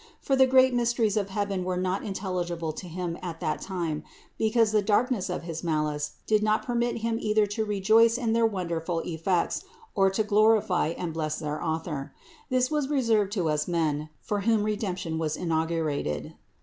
For the great mysteries of heaven were not intelligible to him at that time, because the darkness of his malice did not permit him either to rejoice in their wonderful effects or to glorify and bless their Author. This was reserved to us men, for whom Redemption was inaugurated.